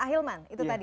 ahilman itu tadi